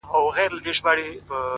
o تا بدرنگۍ ته سرټيټی په لېونتوب وکړ ـ